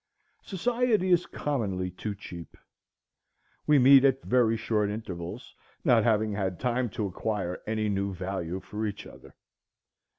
Society is commonly too cheap. We meet at very short intervals, not having had time to acquire any new value for each other.